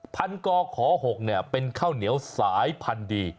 พันกข๖เป็นข้าวเหนียวสายพันธุ์ดี